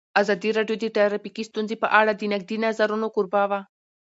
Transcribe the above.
ازادي راډیو د ټرافیکي ستونزې په اړه د نقدي نظرونو کوربه وه.